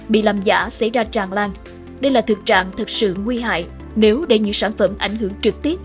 bị làm giả xảy ra tràn lan đây là thực trạng thật sự nguy hại nếu để những sản phẩm ảnh hưởng trực tiếp